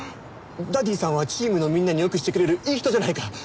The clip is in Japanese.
ダディさんはチームのみんなによくしてくれるいい人じゃないか。